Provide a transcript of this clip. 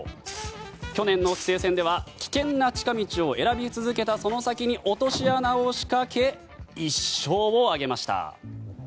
去年の棋聖戦では危険な近道を選び続けた先に落とし穴を仕掛け１勝を挙げました。